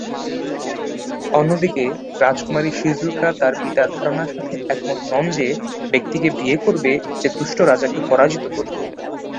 অন্যদিকে, রাজকুমারী শিজুকা তার পিতার ধারণার সাথে একমত নন যে ব্যক্তিকে বিয়ে করবে যে দুষ্ট রাজাকে পরাজিত করবে।